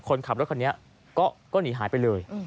คนขับรถคันนี้ก็หนีหายไปเลย